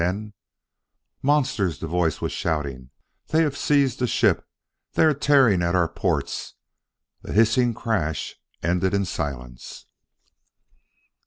Then "Monsters!" the voice was shouting. "They have seized the ship! They are tearing at our ports " A hissing crash ended in silence....